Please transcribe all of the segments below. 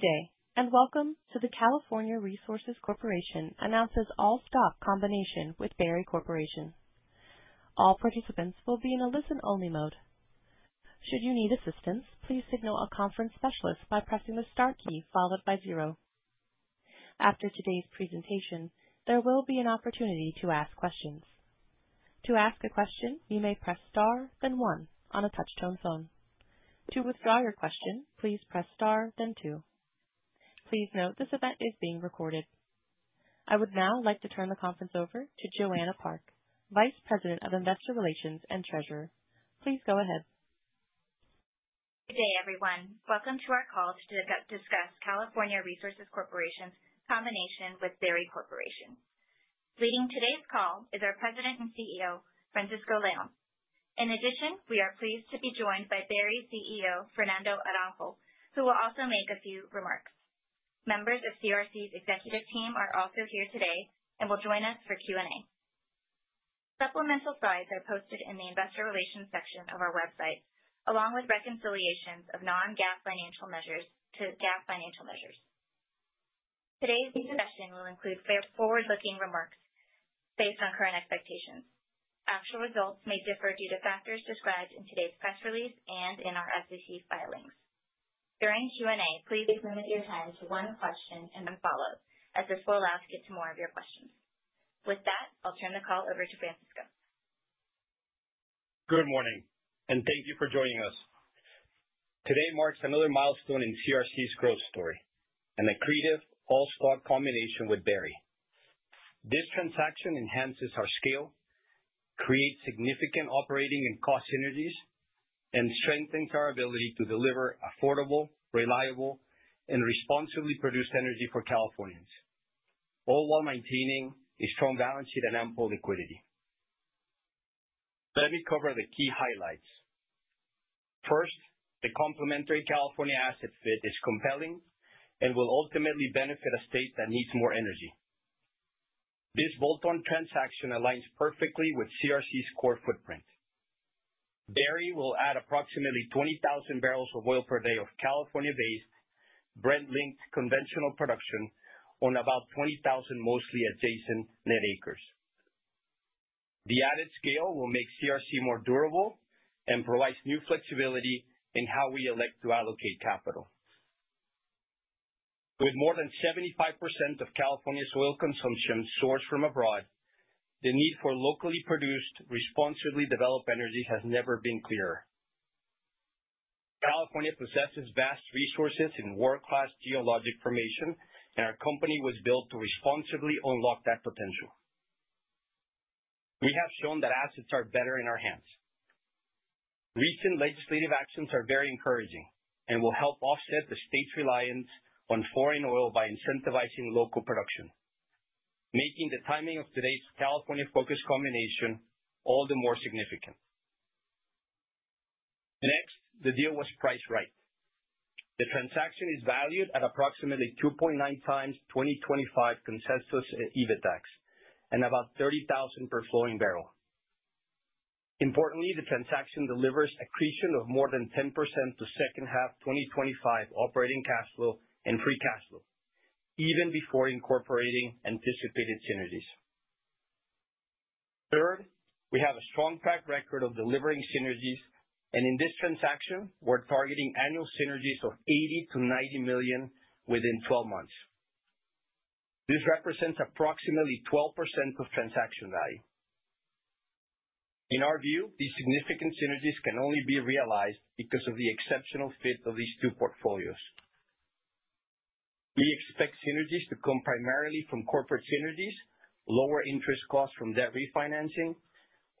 Good day, and welcome to the California Resources Corporation announces all-stock combination with Berry Corporation. All participants will be in a listen-only mode. Should you need assistance, please signal a conference specialist by pressing the star key followed by zero. After today's presentation, there will be an opportunity to ask questions. To ask a question, you may press star, then one on a touch-tone phone. To withdraw your question, please press star, then two. Please note this event is being recorded. I would now like to turn the conference over to Joanna Park, Vice President of Investor Relations and Treasurer. Please go ahead. Good day, everyone. Welcome to our call to discuss California Resources Corporation's combination with Berry Corporation. Leading today's call is our President and CEO, Francisco Leon. In addition, we are pleased to be joined by Berry's CEO, Fernando Araujo, who will also make a few remarks. Members of CRC's executive team are also here today and will join us for Q&A. Supplemental slides are posted in the Investor Relations section of our website, along with reconciliations of non-GAAP financial measures to GAAP financial measures. Today's discussion will include forward-looking remarks based on current expectations. Actual results may differ due to factors described in today's press release and in our SEC filings. During Q&A, please limit your time to one question and follow, as this will allow us to get to more of your questions. With that, I'll turn the call over to Francisco. Good morning, and thank you for joining us. Today marks another milestone in CRC's growth story: an accretive all-stock combination with Berry. This transaction enhances our scale, creates significant operating and cost synergies, and strengthens our ability to deliver affordable, reliable, and responsibly produced energy for Californians, all while maintaining a strong balance sheet and ample liquidity. Let me cover the key highlights. First, the complementary California asset fit is compelling and will ultimately benefit a state that needs more energy. This bolt-on transaction aligns perfectly with CRC's core footprint. Berry will add approximately 20,000 barrels of oil per day of California-based, Brent-linked conventional production on about 20,000 mostly adjacent net acres. The added scale will make CRC more durable and provides new flexibility in how we elect to allocate capital. With more than 75% of California's oil consumption sourced from abroad, the need for locally produced, responsibly developed energy has never been clearer. California possesses vast resources and world-class geologic formation, and our company was built to responsibly unlock that potential. We have shown that assets are better in our hands. Recent legislative actions are very encouraging and will help offset the state's reliance on foreign oil by incentivizing local production, making the timing of today's California-focused combination all the more significant. Next, the deal was priced right. The transaction is valued at approximately 2.9x 2025 consensus EBITDAX and about $30,000 per flowing barrel. Importantly, the transaction delivers accretion of more than 10% to second-half 2025 operating cash flow and free cash flow, even before incorporating anticipated synergies. Third, we have a strong track record of delivering synergies, and in this transaction, we're targeting annual synergies of $80 million-$90 million within 12 months. This represents approximately 12% of transaction value. In our view, these significant synergies can only be realized because of the exceptional fit of these two portfolios. We expect synergies to come primarily from corporate synergies, lower interest costs from debt refinancing,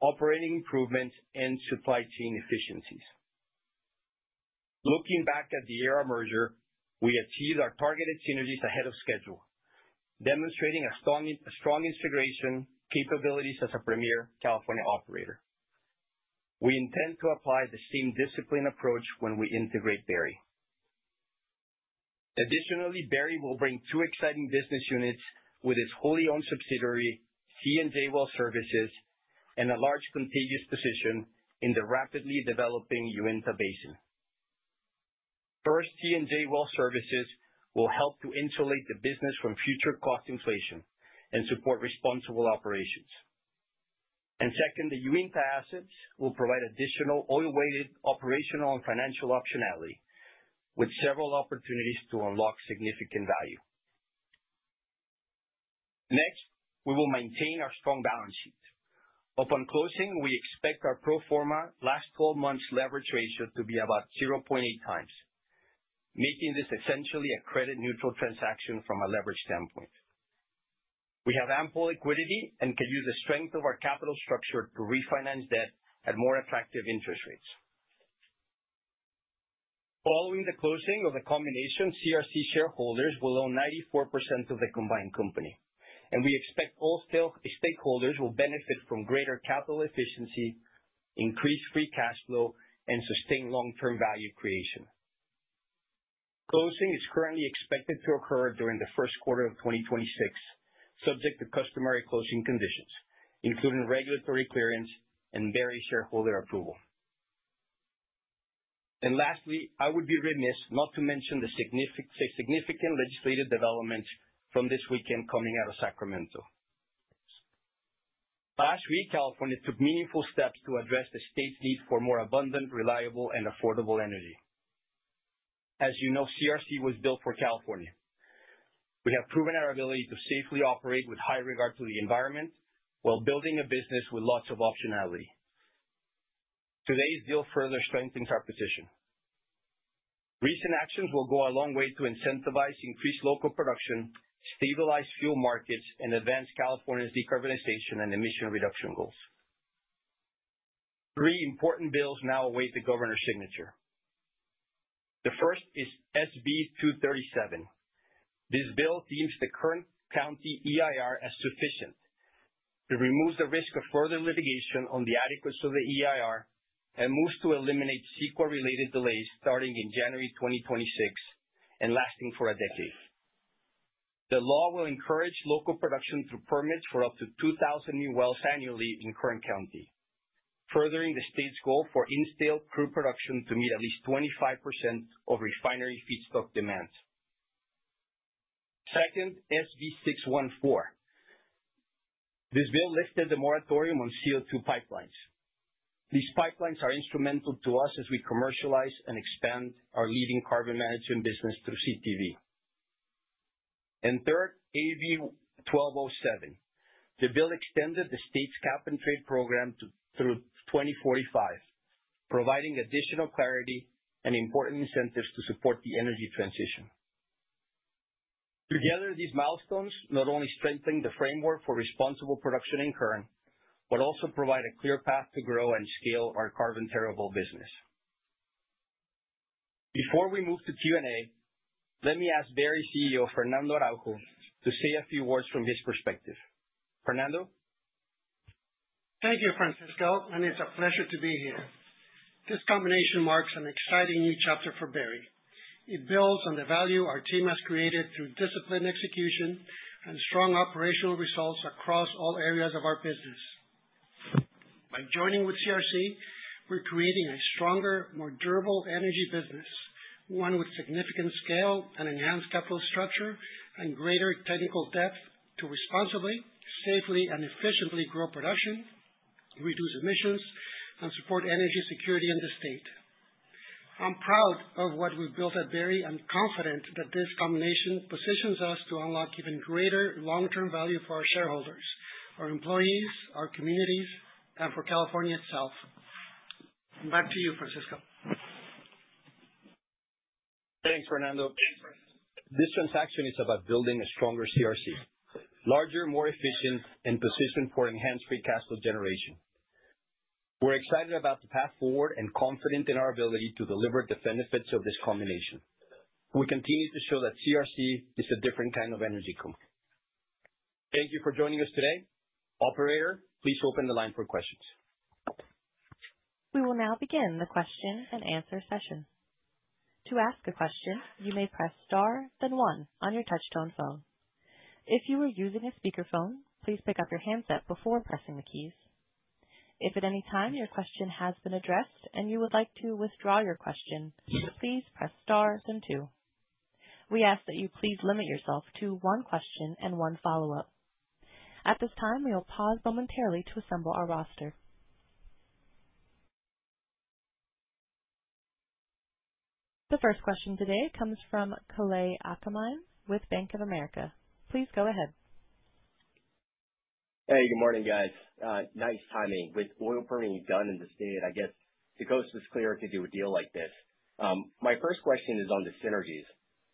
operating improvements, and supply chain efficiencies. Looking back at the Aera merger, we achieved our targeted synergies ahead of schedule, demonstrating a strong integration capabilities as a premier California operator. We intend to apply the same discipline approach when we integrate Berry. Additionally, Berry will bring two exciting business units with its wholly owned subsidiary, C&J Well Services, and a large contiguous position in the rapidly developing Uinta Basin. First, C&J Well Services will help to insulate the business from future cost inflation and support responsible operations. And second, the Uinta assets will provide additional oil-weighted operational and financial optionality, with several opportunities to unlock significant value. Next, we will maintain our strong balance sheet. Upon closing, we expect our pro forma last 12 months leverage ratio to be about 0.8x, making this essentially a credit-neutral transaction from a leverage standpoint. We have ample liquidity and can use the strength of our capital structure to refinance debt at more attractive interest rates. Following the closing of the combination, CRC shareholders will own 94% of the combined company, and we expect all stakeholders will benefit from greater capital efficiency, increased free cash flow, and sustained long-term value creation. Closing is currently expected to occur during the first quarter of 2026, subject to customary closing conditions, including regulatory clearance and Berry shareholder approval. And lastly, I would be remiss not to mention the significant legislative development from this weekend coming out of Sacramento. Last week, California took meaningful steps to address the state's need for more abundant, reliable, and affordable energy. As you know, CRC was built for California. We have proven our ability to safely operate with high regard to the environment while building a business with lots of optionality. Today's deal further strengthens our position. Recent actions will go a long way to incentivize increased local production, stabilize fuel markets, and advance California's decarbonization and emission reduction goals. Three important bills now await the governor's signature. The first is SB 237. This bill deems the Kern County EIR as sufficient. It removes the risk of further litigation on the adequacy of the EIR and moves to eliminate CEQA-related delays starting in January 2026 and lasting for a decade. The law will encourage local production through permits for up to 2,000 new wells annually in Kern County, furthering the state's goal for in-state crude production to meet at least 25% of refinery feedstock demand. Second, SB 614. This bill lifted the moratorium on CO2 pipelines. These pipelines are instrumental to us as we commercialize and expand our leading carbon management business through CTV. And third, AB 1207. The bill extended the state's cap-and-trade program through 2045, providing additional clarity and important incentives to support the energy transition. Together, these milestones not only strengthen the framework for responsible production in Kern, but also provide a clear path to grow and scale our Carbon TerraVault business. Before we move to Q&A, let me ask Berry's CEO, Fernando Araujo, to say a few words from his perspective. Fernando? Thank you, Francisco. And it's a pleasure to be here. This combination marks an exciting new chapter for Berry. It builds on the value our team has created through disciplined execution and strong operational results across all areas of our business. By joining with CRC, we're creating a stronger, more durable energy business, one with significant scale and enhanced capital structure and greater technical depth to responsibly, safely, and efficiently grow production, reduce emissions, and support energy security in the state. I'm proud of what we've built at Berry and confident that this combination positions us to unlock even greater long-term value for our shareholders, our employees, our communities, and for California itself. Back to you, Francisco. Thanks, Fernando. This transaction is about building a stronger CRC, larger, more efficient, and positioned for enhanced free cash flow generation. We're excited about the path forward and confident in our ability to deliver the benefits of this combination. We continue to show that CRC is a different kind of energy company. Thank you for joining us today. Operator, please open the line for questions. We will now begin the question and answer session. To ask a question, you may press star, then one on your touch-tone phone. If you are using a speakerphone, please pick up your handset before pressing the keys. If at any time your question has been addressed and you would like to withdraw your question, please press star, then two. We ask that you please limit yourself to one question and one follow-up. At this time, we will pause momentarily to assemble our roster. The first question today comes from Kalei Akamine with Bank of America. Please go ahead. Hey, good morning, guys. Nice timing. With oil permitting done in the state, I guess the coast was clear to do a deal like this. My first question is on the synergies.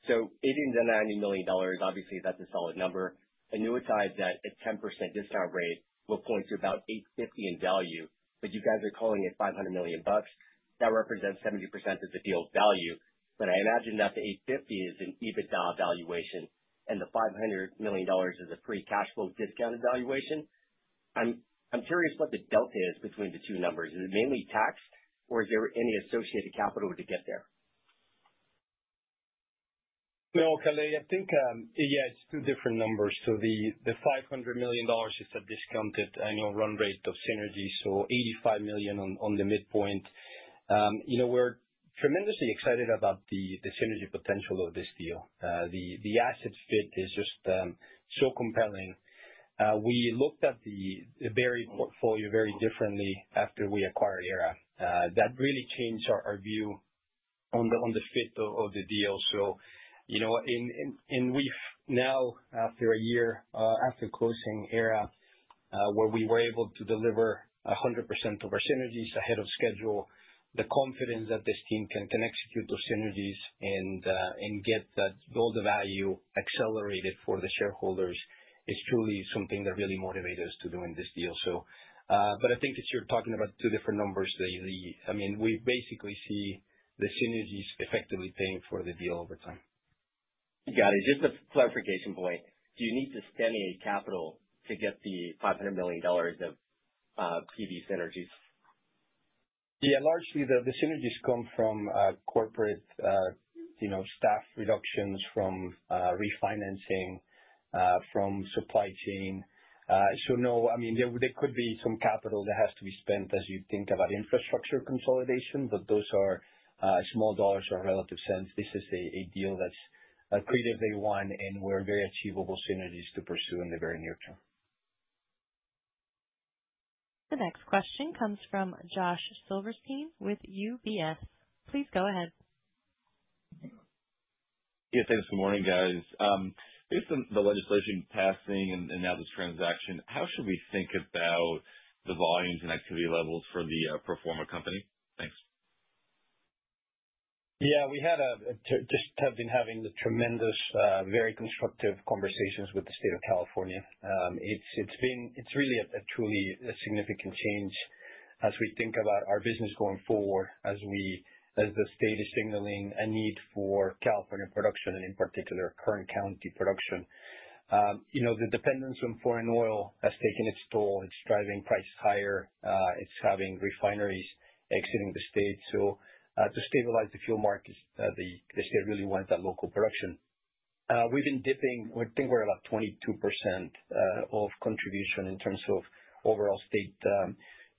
So $890 million, obviously, that's a solid number. I knew a time that a 10% discount rate will point to about $850 in value, but you guys are calling it $500 million. That represents 70% of the deal's value. But I imagine that the $850 is an EBITDA valuation and the $500 million is a free cash flow discounted valuation. I'm curious what the delta is between the two numbers. Is it mainly taxes, or is there any associated capital to get there? No, Kalei, I think, yeah, it's two different numbers. So the $500 million is a discounted annual run rate of synergies, so $85 million on the midpoint. We're tremendously excited about the synergy potential of this deal. The asset fit is just so compelling. We looked at the Berry portfolio very differently after we acquired Aera. That really changed our view on the fit of the deal. And now, after a year after closing Aera, where we were able to deliver 100% of our synergies ahead of schedule, the confidence that this team can execute those synergies and get all the value accelerated for the shareholders is truly something that really motivated us to do this deal. But I think you're talking about two different numbers. I mean, we basically see the synergies effectively paying for the deal over time. Got it. Just a clarification point. Do you need to steady capital to get the $500 million of PV synergies? Yeah, largely, the synergies come from corporate staff reductions, from refinancing, from supply chain. So no, I mean, there could be some capital that has to be spent as you think about infrastructure consolidation, but those are small dollars or relative cents. This is a deal that's accretive day one, and we're very achievable synergies to pursue in the very near term. The next question comes from Josh Silverstein with UBS. Please go ahead. Yeah, thanks. Good morning, guys. Based on the legislation passing and now this transaction, how should we think about the volumes and activity levels for the pro forma company? Thanks. Yeah, we just have been having the tremendous, very constructive conversations with the state of California. It's really a truly significant change as we think about our business going forward, as the state is signaling a need for California production and, in particular, Kern County production. The dependence on foreign oil has taken its toll. It's driving prices higher. It's having refineries exiting the state. So to stabilize the fuel markets, the state really wants that local production. We've been dipping. I think we're about 22% of contribution in terms of overall state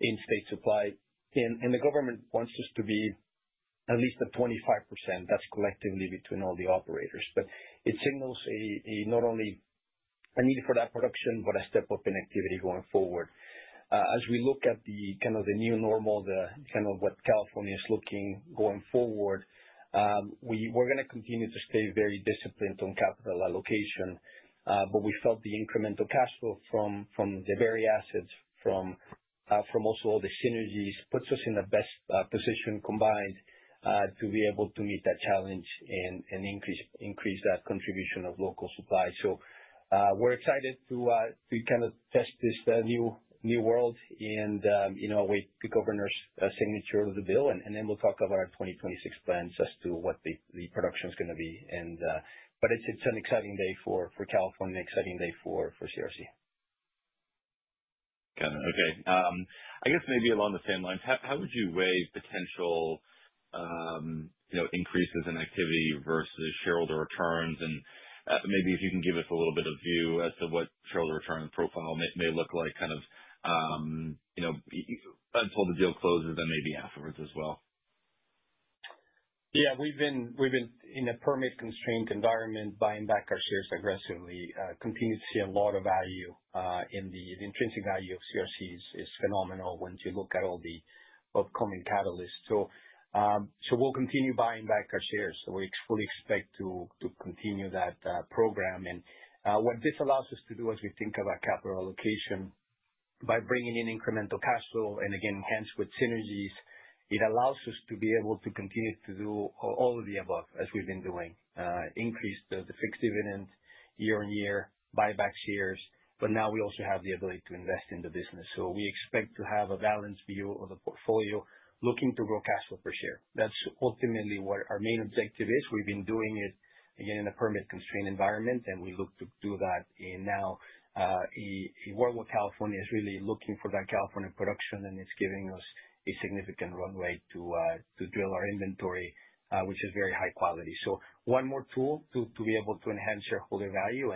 in-state supply, and the government wants us to be at least at 25%. That's collectively between all the operators, but it signals not only a need for that production, but a step-up in activity going forward. As we look at the kind of the new normal, kind of what California is looking going forward, we're going to continue to stay very disciplined on capital allocation. But we felt the incremental cash flow from the Berry assets, from also all the synergies, puts us in the best position combined to be able to meet that challenge and increase that contribution of local supply. So we're excited to kind of test this new world and await the governor's signature of the bill. And then we'll talk about our 2026 plans as to what the production is going to be. But it's an exciting day for California and an exciting day for CRC. Got it. Okay. I guess maybe along the same lines, how would you weigh potential increases in activity versus shareholder returns? And maybe if you can give us a little bit of view as to what shareholder return profile may look like, kind of until the deal closes, then maybe afterwards as well. Yeah, we've been in a permit-constrained environment, buying back our shares aggressively. Continue to see a lot of value. And the intrinsic value of CRC is phenomenal when you look at all the upcoming catalysts. So we'll continue buying back our shares. So we fully expect to continue that program. And what this allows us to do as we think about capital allocation by bringing in incremental cash flow and, again, enhanced with synergies, it allows us to be able to continue to do all of the above as we've been doing. Increase the fixed dividend year on year, buy back shares. But now we also have the ability to invest in the business. So we expect to have a balanced view of the portfolio looking to grow cash flow per share. That's ultimately what our main objective is. We've been doing it, again, in a permit-constrained environment, and we look to do that, and now, a world where California is really looking for that California production, and it's giving us a significant runway to drill our inventory, which is very high quality, so one more tool to be able to enhance shareholder value,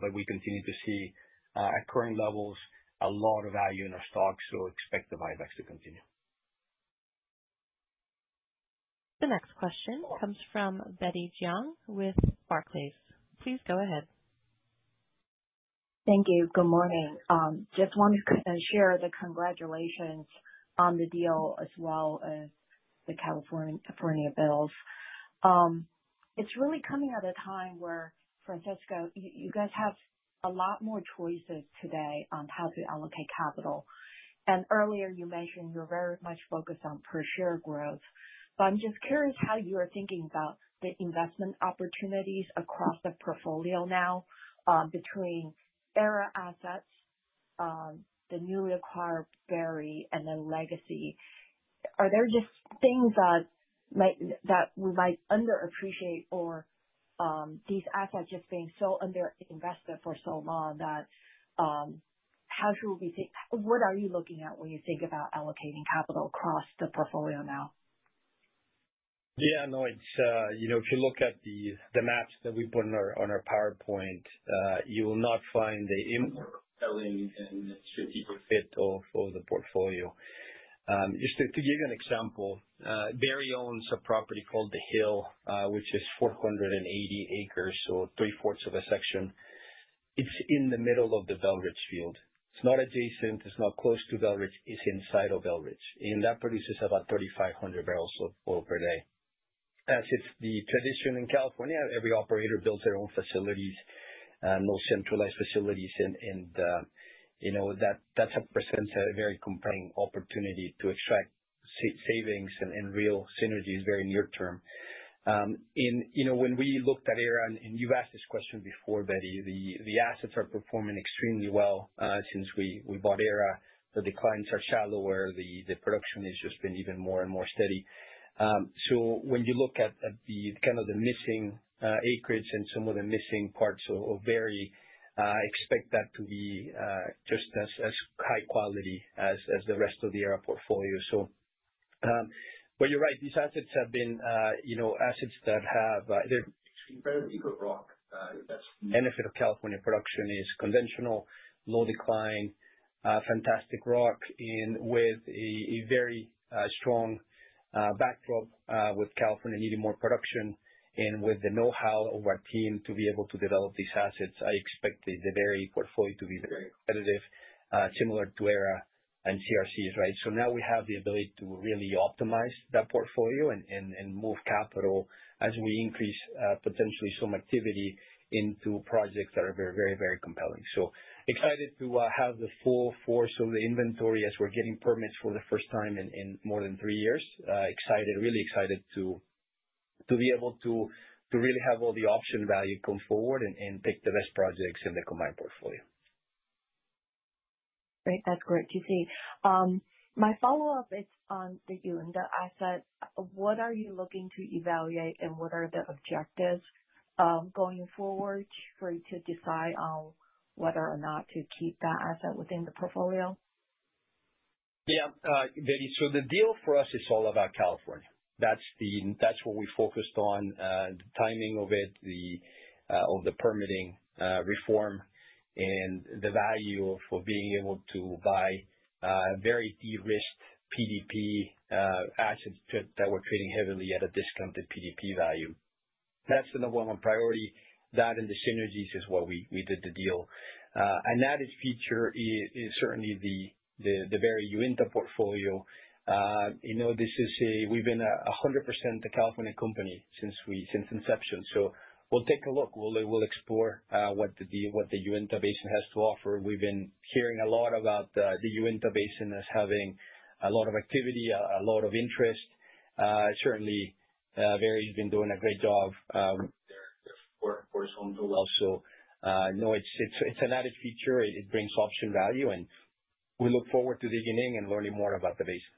but we continue to see at current levels a lot of value in our stock, so expect the buybacks to continue. The next question comes from Betty Jiang with Barclays. Please go ahead. Thank you. Good morning. Just wanted to share the congratulations on the deal as well as the California bills. It's really coming at a time where, Francisco, you guys have a lot more choices today on how to allocate capital. Earlier, you mentioned you're very much focused on per-share growth. But I'm just curious how you are thinking about the investment opportunities across the portfolio now between Aera assets, the newly acquired Berry, and then legacy. Are there just things that we might underappreciate or these assets just being so underinvested for so long that how should we think? What are you looking at when you think about allocating capital across the portfolio now? Yeah, no, if you look at the maps that we put on our PowerPoint, you will not find the. More selling and strategic fit of the portfolio. Just to give you an example, Berry owns a property called the Hill, which is 480 acres, so 3/4 of a section. It's in the middle of the Belridge field. It's not adjacent. It's not close to Belridge. It's inside of Belridge. And that produces about 3,500 barrels of oil per day. As it's the tradition in California, every operator builds their own facilities, no centralized facilities. And that presents a very compelling opportunity to extract savings and real synergies very near term. And when we looked at Aera, and you've asked this question before, Betty, the assets are performing extremely well since we bought Aera. The declines are shallower. The production has just been even more and more steady. So when you look at kind of the missing acreage and some of the missing parts of Berry, expect that to be just as high quality as the rest of the Aera portfolio. Well, you're right. These assets have been assets that have their. It's incredibly good rock. That's benefit of California production is conventional, low decline, fantastic rock, and with a very strong backdrop with California needing more production and with the know-how of our team to be able to develop these assets. I expect the Berry portfolio to be very competitive, similar to Aera and CRC's, right? So now we have the ability to really optimize that portfolio and move capital as we increase potentially some activity into projects that are very, very, very compelling. So excited to have the full force of the inventory as we're getting permits for the first time in more than three years. Excited, really excited to be able to really have all the option value come forward and pick the best projects in the combined portfolio. Great. That's great to see. My follow-up is on the asset. What are you looking to evaluate, and what are the objectives going forward for you to decide on whether or not to keep that asset within the portfolio? Yeah, Betty. So the deal for us is all about California. That's what we focused on, the timing of it, the permitting reform, and the value of being able to buy very de-risked PDP assets that were trading heavily at a discounted PDP value. That's the number one priority. That and the synergies is why we did the deal. An added feature is certainly the Berry Uinta portfolio. This is. We've been a 100% California company since inception. So we'll take a look. We'll explore what the Uinta Basin has to offer. We've been hearing a lot about the Uinta Basin as having a lot of activity, a lot of interest. Certainly, Berry has been doing a great job. They're forceful too. Also, no, it's an added feature. It brings option value. And we look forward to digging in and learning more about the Basin.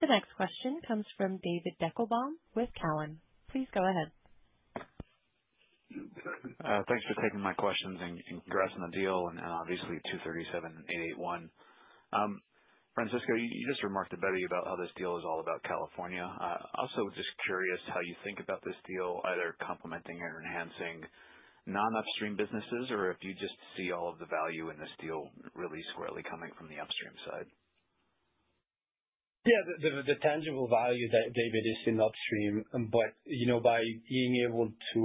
The next question comes from David Deckelbaum with Cowen. Please go ahead. Thanks for taking my questions, and congrats on the deal and obviously 237 and 881. Francisco, you just remarked to Betty about how this deal is all about California. Also, just curious how you think about this deal, either complementing or enhancing non-upstream businesses or if you just see all of the value in this deal really squarely coming from the upstream side. Yeah, the tangible value, David, is in upstream. But by being able to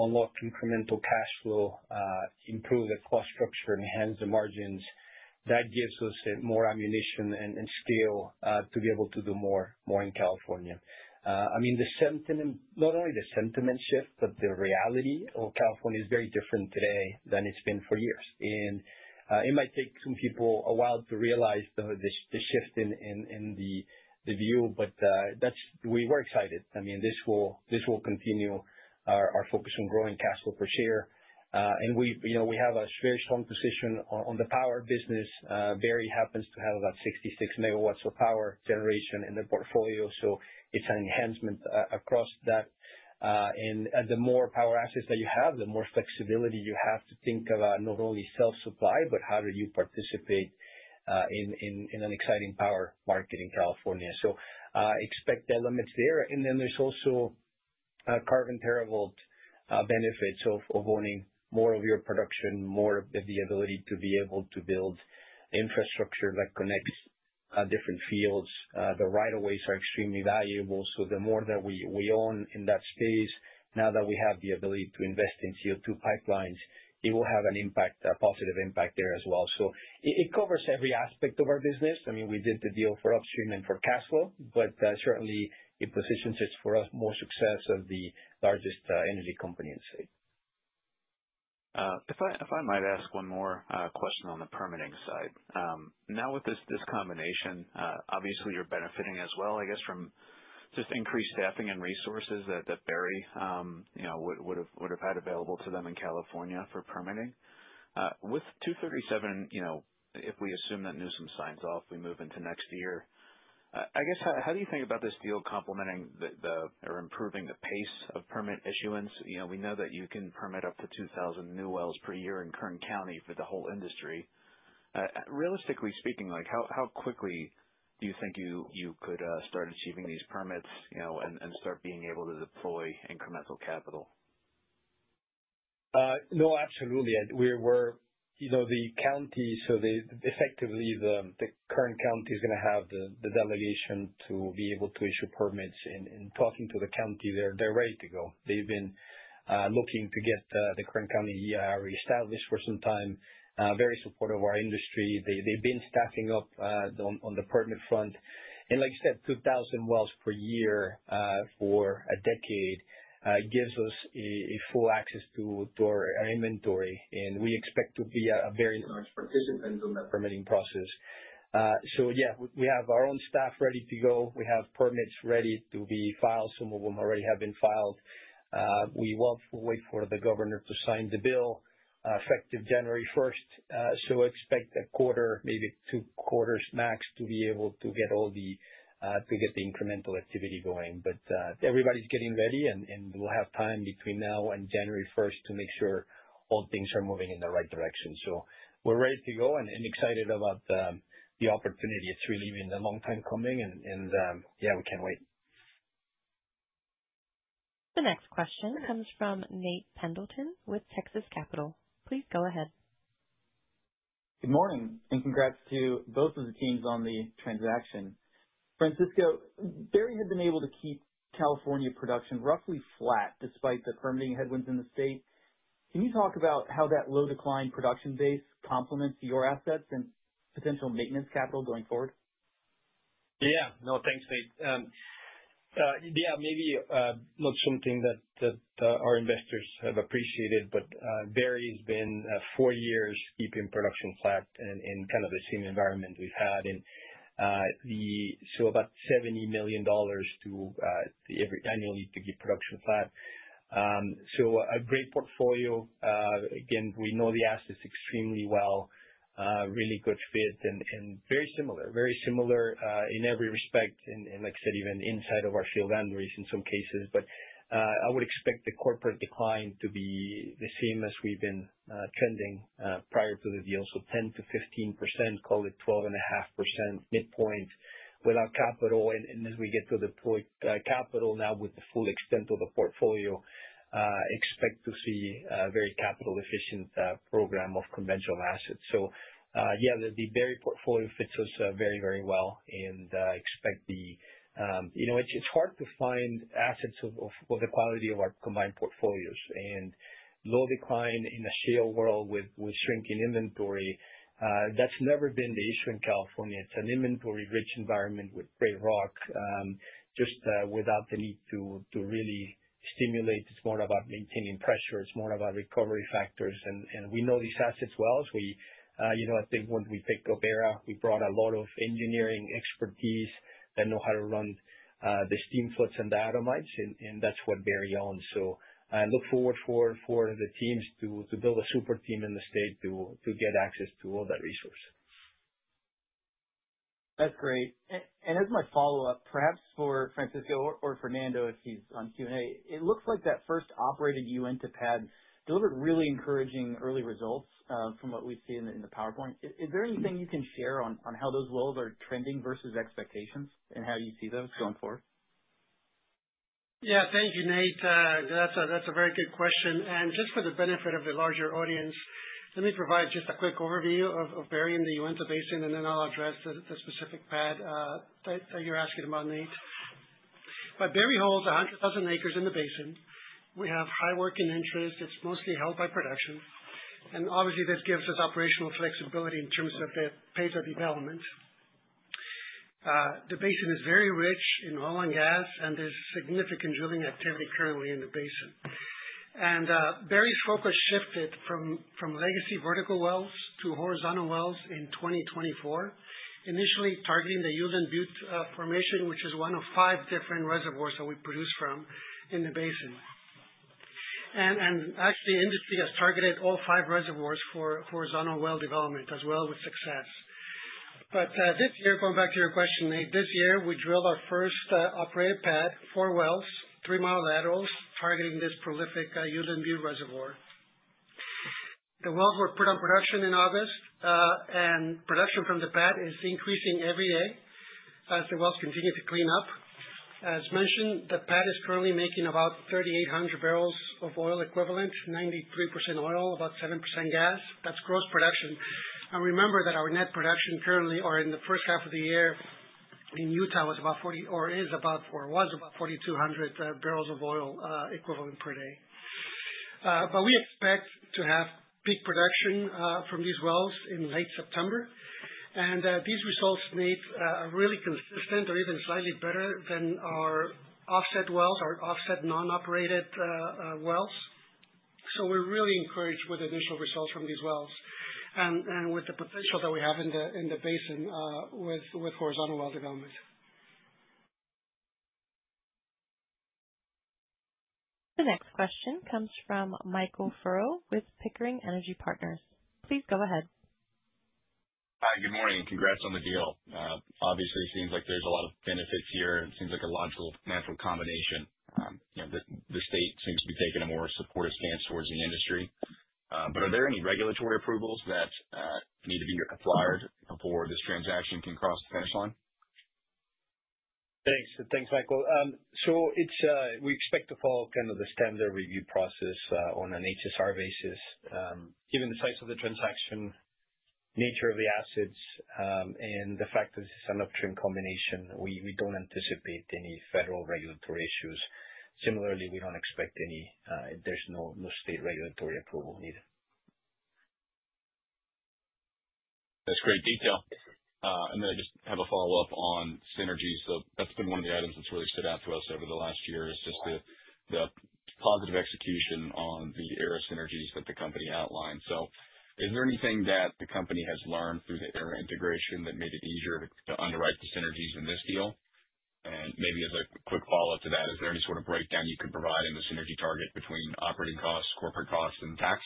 unlock incremental cash flow, improve the cost structure, enhance the margins, that gives us more ammunition and skill to be able to do more in California. I mean, not only the sentiment shift, but the reality of California is very different today than it's been for years. And it might take some people a while to realize the shift in the view, but we were excited. I mean, this will continue our focus on growing cash flow per share. And we have a very strong position on the power business. Berry happens to have about 66 MW of power generation in the portfolio. So it's an enhancement across that. And the more power assets that you have, the more flexibility you have to think about not only self-supply, but how do you participate in an exciting power market in California. So expect elements there. And then there's also Carbon TerraVault benefits of owning more of your production, more of the ability to be able to build infrastructure that connects different fields. The right-of-ways are extremely valuable. So the more that we own in that space, now that we have the ability to invest in CO2 pipelines, it will have a positive impact there as well. So it covers every aspect of our business. I mean, we did the deal for upstream and for cash flow, but certainly, it positions us for more success of the largest energy company in the state. If I might ask one more question on the permitting side. Now, with this combination, obviously, you're benefiting as well, I guess, from just increased staffing and resources that Berry would have had available to them in California for permitting. With 237, if we assume that Newsom signs off, we move into next year, I guess, how do you think about this deal complementing or improving the pace of permit issuance? We know that you can permit up to 2,000 new wells per year in Kern County for the whole industry. Realistically speaking, how quickly do you think you could start achieving these permits and start being able to deploy incremental capital? No, absolutely. The county, so effectively, the Kern County is going to have the delegation to be able to issue permits, and talking to the county, they're ready to go. They've been looking to get the Kern County reestablished for some time, very supportive of our industry. They've been staffing up on the permit front, and like I said, 2,000 wells per year for a decade gives us full access to our inventory. We expect to be a very large participant in the permitting process, so yeah, we have our own staff ready to go. We have permits ready to be filed. Some of them already have been filed. We will wait for the governor to sign the bill effective January 1st, so expect a quarter, maybe two quarters max, to be able to get all the incremental activity going. But everybody's getting ready, and we'll have time between now and January 1st to make sure all things are moving in the right direction. So we're ready to go and excited about the opportunity. It's really been a long time coming, and yeah, we can't wait. The next question comes from Nate Pendleton with Texas Capital. Please go ahead. Good morning, and congrats to both of the teams on the transaction. Francisco, Berry had been able to keep California production roughly flat despite the permitting headwinds in the state. Can you talk about how that low-decline production base complements your assets and potential maintenance capital going forward? Yeah. No, thanks, Nate. Yeah, maybe not something that our investors have appreciated, but Berry has been four years keeping production flat in kind of the same environment we've had. And so about $70 million annually to keep production flat. So a great portfolio. Again, we know the assets extremely well, really good fit, and very similar, very similar in every respect, and like I said, even inside of our field boundaries in some cases. But I would expect the corporate decline to be the same as we've been trending prior to the deal. So 10%-15%, call it 12.5% midpoint without capital. And as we get to deploy capital now with the full extent of the portfolio, expect to see a very capital-efficient program of conventional assets. So yeah, the Berry portfolio fits us very, very well. And expect that it's hard to find assets of the quality of our combined portfolios. And low decline in a shale world with shrinking inventory, that's never been the issue in California. It's an inventory-rich environment with great rock, just without the need to really stimulate. It's more about maintaining pressure. It's more about recovery factors. And we know these assets well. I think when we picked up Aera, we brought a lot of engineering expertise that know how to run the steamfloods and the diatomites. And that's what Berry owns. So I look forward to the teams to build a super team in the state to get access to all that resources. That's great. And as my follow-up, perhaps for Francisco or Fernando if he's on Q&A, it looks like that first operated Uinta pad delivered really encouraging early results from what we see in the PowerPoint. Is there anything you can share on how those wells are trending versus expectations and how you see those going forward? Yeah, thank you, Nate. That's a very good question, and just for the benefit of the larger audience, let me provide just a quick overview of Berry and the Uinta Basin, and then I'll address the specific pad that you're asking about, Nate, but Berry holds 100,000 acres in the basin. We have high working interest. It's mostly held by production, and obviously, this gives us operational flexibility in terms of the pace of development. The Basin is very rich in oil and gas, and there's significant drilling activity currently in the basin, and Berry's focus shifted from legacy vertical wells to horizontal wells in 2024, initially targeting the Uteland Butte formation, which is one of five different reservoirs that we produce from in the basin, and actually, the industry has targeted all five reservoirs for horizontal well development as well with success. But this year, going back to your question, Nate, this year, we drilled our first operated pad, four wells, three-mile laterals, targeting this prolific Uteland Butte reservoir. The wells were put on production in August, and production from the pad is increasing every day as the wells continue to clean up. As mentioned, the pad is currently making about 3,800 barrels of oil equivalent, 93% oil, about 7% gas. That's gross production. And remember that our net production currently, or in the first half of the year in Utah, was about 40 or was about 4,200 barrels of oil equivalent per day. But we expect to have peak production from these wells in late September. And these results, Nate, are really consistent or even slightly better than our offset wells, our offset non-operated wells. So we're really encouraged with initial results from these wells and with the potential that we have in the basin with horizontal well development. The next question comes from Michael Furrow with Pickering Energy Partners. Please go ahead. Hi, good morning. Congrats on the deal. Obviously, it seems like there's a lot of benefits here. It seems like a logical, natural combination. The state seems to be taking a more supportive stance towards the industry. But are there any regulatory approvals that need to be acquired before this transaction can cross the finish line? Thanks. Thanks, Michael. So we expect to follow kind of the standard review process on an HSR basis. Given the size of the transaction, nature of the assets, and the fact that this is an upstream combination, we don't anticipate any federal regulatory issues. Similarly, we don't expect any. There's no state regulatory approval needed. That's great detail, and then I just have a follow-up on synergies. So that's been one of the items that's really stood out to us over the last year is just the positive execution on the Aera synergies that the company outlined, so is there anything that the company has learned through the Aera integration that made it easier to underwrite the synergies in this deal, and maybe as a quick follow-up to that, is there any sort of breakdown you could provide in the synergy target between operating costs, corporate costs, and tax?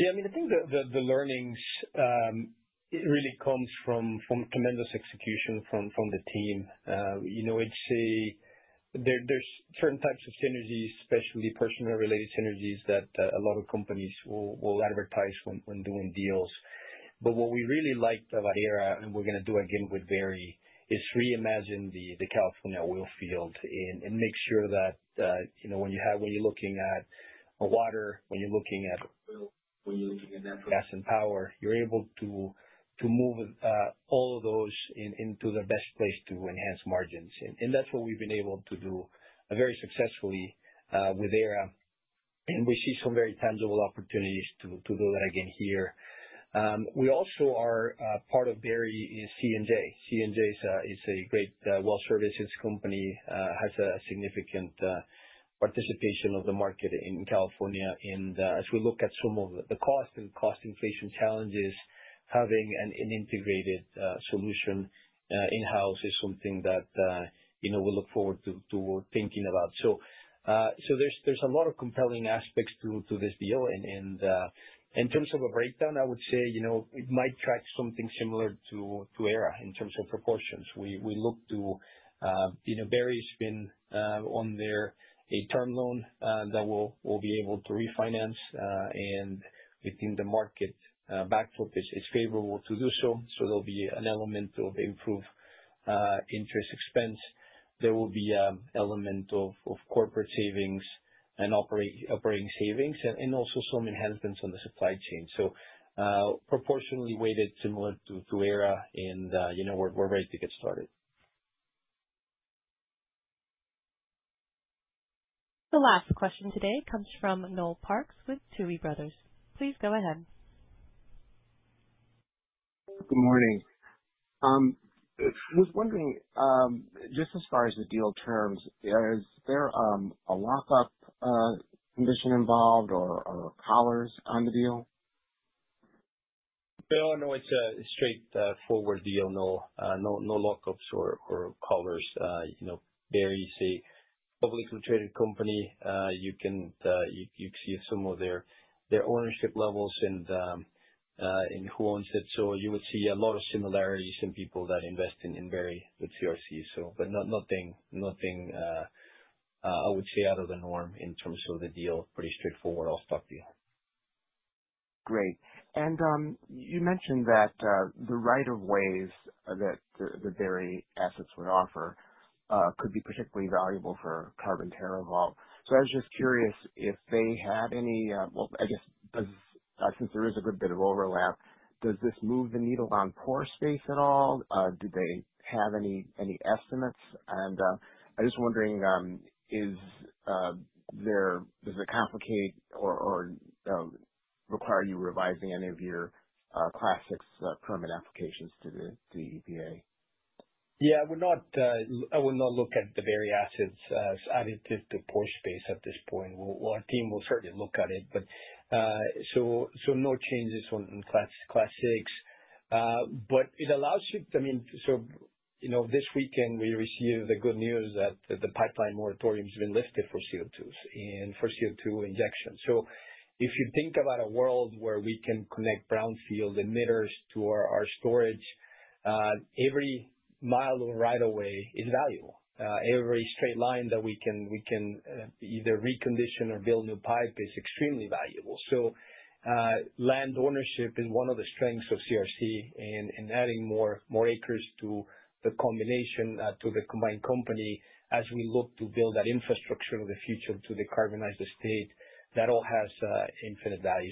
Yeah, I mean, I think the learnings really come from tremendous execution from the team. There's certain types of synergies, especially personnel-related synergies, that a lot of companies will advertise when doing deals. But what we really liked about Aera, and we're going to do again with Berry, is reimagine the California oil field and make sure that when you're looking at water, when you're looking at natural gas and power, you're able to move all of those into the best place to enhance margins. And that's what we've been able to do very successfully with Aera. And we see some very tangible opportunities to do that again here. We also are part of Berry's C&J. C&J is a great well services company, has a significant participation of the market in California. As we look at some of the cost and cost inflation challenges, having an integrated solution in-house is something that we look forward to thinking about. There's a lot of compelling aspects to this deal. In terms of a breakdown, I would say it might track something similar to Aera in terms of proportions. We look to Berry's been on their term loan that we'll be able to refinance. Within the market backdrop, it's favorable to do so. There'll be an element of improved interest expense. There will be an element of corporate savings and operating savings, and also some enhancements on the supply chain. Proportionally weighted similar to Aera, and we're ready to get started. The last question today comes from Noel Parks with Tuohy Brothers. Please go ahead. Good morning. I was wondering, just as far as the deal terms, is there a lockup condition involved or collars on the deal? No, it's a straightforward deal. No lockups or collars. Berry's a publicly traded company. You can see some of their ownership levels and who owns it. So you would see a lot of similarities in people that invest in Berry with CRC, but nothing, I would say, out of the norm in terms of the deal. Pretty straightforward all-stock deal. Great. And you mentioned that the rights-of-way that the Berry assets would offer could be particularly valuable for Carbon TerraVault. So I was just curious if they had any, well, I guess, since there is a good bit of overlap, does this move the needle on pore space at all? Do they have any estimates? And I'm just wondering, does it complicate or require you revising any of your Class VI permit applications to the EPA? Yeah, I will not look at the Berry assets additive to pore space at this point. Our team will certainly look at it. No changes on Class VI. But it allows you to. I mean, this weekend, we received the good news that the pipeline moratorium has been lifted for CO2 injection. If you think about a world where we can connect brownfield emitters to our storage, every mile of right of way is valuable. Every straight line that we can either recondition or build new pipe is extremely valuable. Land ownership is one of the strengths of CRC in adding more acres to the combination to the combined company as we look to build that infrastructure in the future to decarbonize the state. That all has infinite value.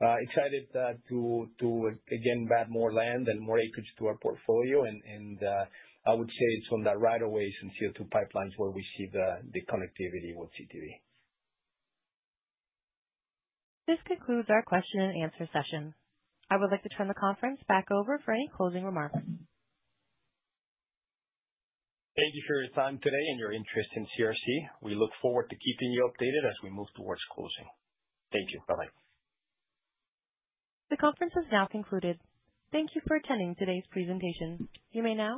Excited to, again, add more land and more acreage to our portfolio. I would say it's on the rights-of-way and CO2 pipelines where we see the connectivity with CTV. This concludes our question and answer session. I would like to turn the conference back over for any closing remarks. Thank you for your time today and your interest in CRC. We look forward to keeping you updated as we move towards closing. Thank you. Bye-bye. The conference has now concluded. Thank you for attending today's presentation. You may now.